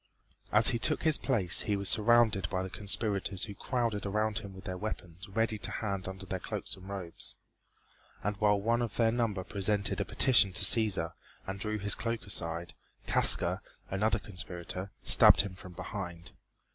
As he took his place he was surrounded by the conspirators who crowded about him with their weapons ready to hand under their cloaks and robes, and while one of their number presented a petition to Cæsar, and drew his cloak aside, Casca, another conspirator, stabbed him from behind.